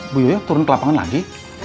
bu yoyo turun ke lapangan lagi